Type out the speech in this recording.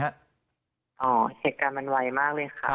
เหตุการณ์มันไวมากเลยค่ะ